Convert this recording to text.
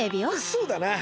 そうだな。